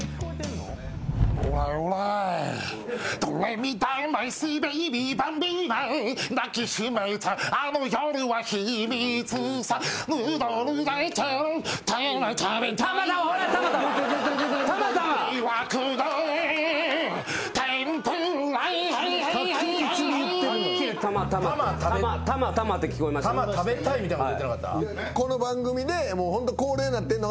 この番組でホント恒例になってるのが。